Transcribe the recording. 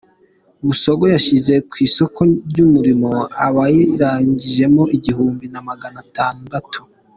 Busogo yashyize ku isoko ry’umurimo abayirangijemo igihumbi namagana tandatu